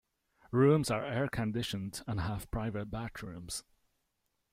Rooms are air-conditioned, and have private bathrooms.